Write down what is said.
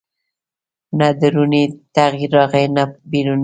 نه دروني تغییر راغی نه بیروني